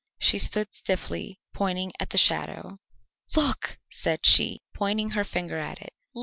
She stood stiffly pointing at the shadow. "Look!" said she, pointing her finger at it.